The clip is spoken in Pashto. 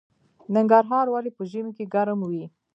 ننګرهار ولې په ژمي کې ګرم وي؟